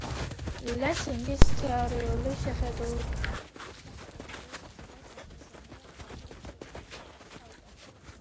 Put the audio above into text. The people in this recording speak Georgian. ლესინგის თეორიული შეხედულებებს დიდად აფასებდნენ ქართული საზოგადოების თავკაცები.